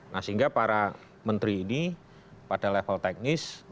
nah sehingga para menteri ini pada level teknis